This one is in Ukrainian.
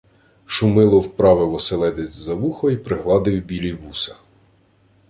Шумило вправив оселедець за вухо й пригладив білі вуса.